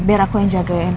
biar aku yang jagain